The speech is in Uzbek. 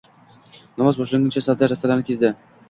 Namoz boshlanguncha savdo rastalarini kezdi